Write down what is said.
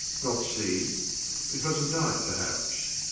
Not see? because of night perhaps?